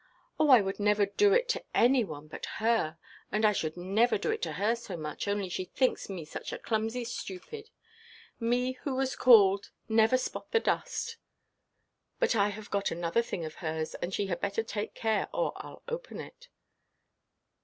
"Oh, I would never do it to any one but her. And I should not do it to her so much, only she thinks me a clumsy stupid. Me who was called 'Never–spot–the–dust!' But I have got another thing of hers, and she had better take care, or Iʼll open it."